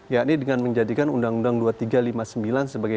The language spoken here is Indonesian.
yakni dengan menjadikan undang undang dua ribu tiga ratus lima puluh sembilan sebagai